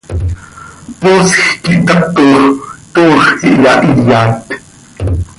Poosj quih itatox, toox iyahiyat.